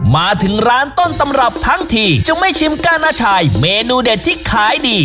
มาถึงร้านต้นตำรับทั้งทีจึงไม่ชิมกานาชายเมนูเด็ดที่ขายดี